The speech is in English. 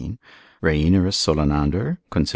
Reinerus Solenander, consil.